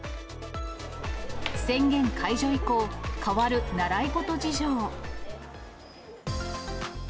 宣言解除以降、変わる習い事事情。